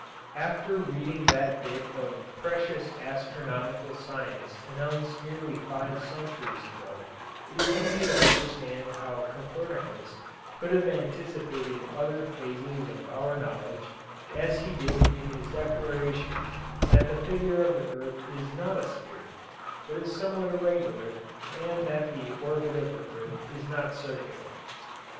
After reading that bit of precious astronomical science announced nearly five centuries ago, it is easy to understand how Copernicus could have anticipated other phases of our knowledge, as he did in his declarations that the figure of the earth is not a sphere, but is somewhat irregular, and that the orbit of the earth is not circular.